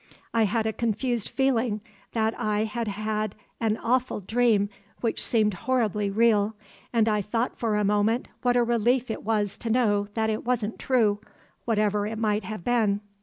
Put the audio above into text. I had a confused feeling that I had had an awful dream which seemed horribly real, and I thought for a moment what a relief it was to know that it wasn't true, whatever it might have been.